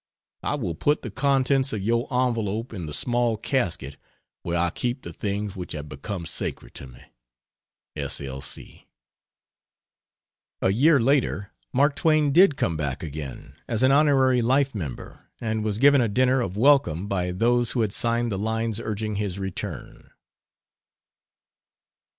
I will put the contents of your envelope in the small casket where I keep the things which have become sacred to me. S. L. C. A year later, Mark Twain did "come back again," as an honorary life member, and was given a dinner of welcome by those who had signed the lines urging his return.